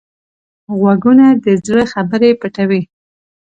غوږونه د زړه خبرې پټوي